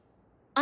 あ。